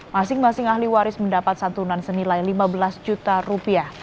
masing masing ahli waris mendapat santunan senilai lima belas juta rupiah